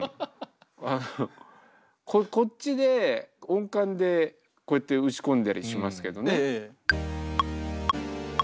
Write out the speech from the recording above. こっちで音感でこうやって打ち込んだりしますけどね。